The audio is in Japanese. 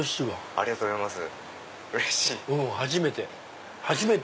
ありがとうございます。